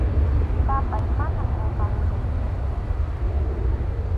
Papáy, manam qunqamusaykichu.